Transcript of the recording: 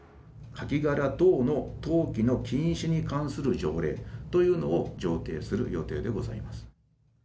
カキ殻等の投棄の禁止に関する条例というのを上程する予定でございます。